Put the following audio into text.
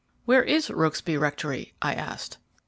"Where is Rokesby Rectory?" I asked.